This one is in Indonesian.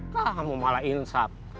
kamu malah insap